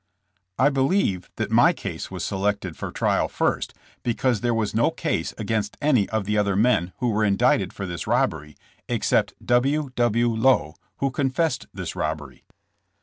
I believe that my case was selected for trial first because there was no case against any of the other men who were indicted for this robbery except W. W. Lowe, who confessed this robbery.